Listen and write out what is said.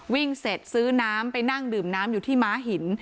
วิ่งเสร็จซื้อน้ำไปนั่งดื่มน้ำอยู่ที่ม้าหิน